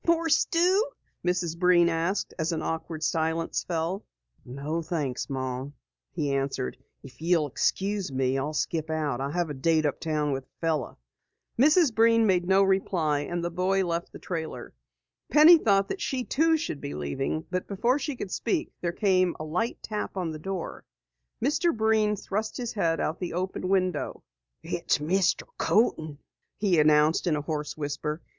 "More stew?" Mrs. Breen asked as an awkward silence fell. "No thanks, Mom," he answered. "If you'll excuse me, I'll skip out. I have a date uptown with a fellow." Mrs. Breen made no reply and the boy left the trailer. Penny thought that she too should be leaving, but before she could speak, there came a light tap on the door. Mr. Breen thrust his head out the open window. "It's Mr. Coaten," he announced in a hoarse whisper.